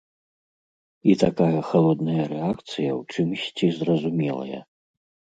І такая халодная рэакцыя ў чымсьці зразумелая.